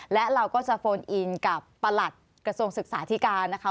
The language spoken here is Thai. และเราก็จะโฟนอินกับประหลัดกระทรวงศึกษาธิการนะคะ